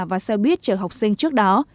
và xe buýt chở học sinh trước đó